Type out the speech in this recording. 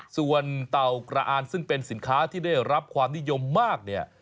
ส่วนเต่ากระอ่านซึ่งเป็นสินค้าที่ได้รับความนิยมมากเนี่ย